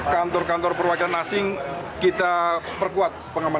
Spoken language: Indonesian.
kantor kantor perbelanjaan kantor kantor perbelanjaan kantor kantor perbelanjaan